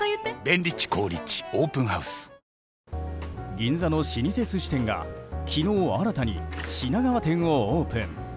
銀座の老舗寿司店が昨日、新たに品川店をオープン。